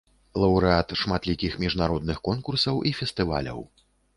Лаўрэат шматлікіх міжнародных конкурсаў і фестываляў.